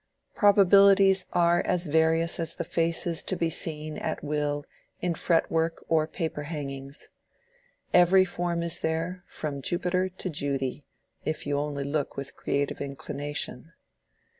Probabilities are as various as the faces to be seen at will in fretwork or paper hangings: every form is there, from Jupiter to Judy, if you only look with creative inclination.